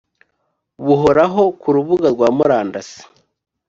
buhoraho ku rubuga rwa murandasi